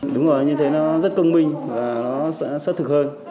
đúng rồi như thế nó rất công minh và nó sẽ xác thực hơn